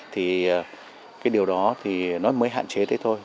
thì cái điều đó thì nó mới hạn chế thế thôi